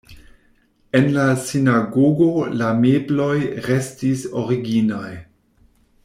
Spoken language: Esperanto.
En la sinagogo la mebloj restis originaj.